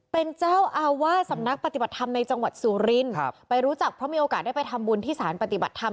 เป็นเจ้าอาวาสสำนักปฏิบัติธรรมในจังหวัดสุรินครับไปรู้จักเพราะมีโอกาสได้ไปทำบุญที่สารปฏิบัติธรรม